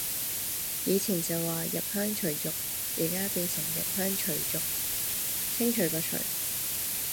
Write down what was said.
以前就話入鄉隨俗，而家變成入鄉除族，清除個除